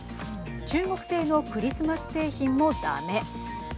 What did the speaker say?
中国製のクリスマス製品もだめ。